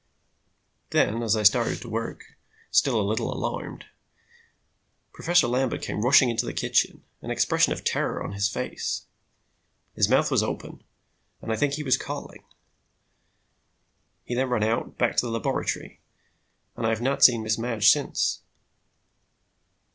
Then, as I started to work, still a little alarmed, Professor Lambert came rushing into the kitchen, an expression of terror on his face. His mouth was open, and I think he was calling. He then ran out, back to the laboratory, and I have not seen Miss Madge since.